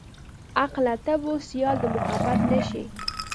عقله ته به سيال د محبت نه شې.